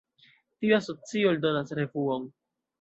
Tiu asocio eldonas revuon.